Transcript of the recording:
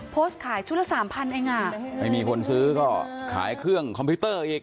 โพสต์ขายชุดละ๓๐๐๐เองไม่มีคนซื้อก็ขายเครื่องคอมพิวเตอร์